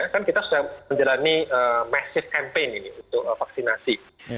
kan kita sudah menjalani messive campaign ini untuk vaksinasi